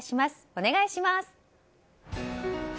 お願いします。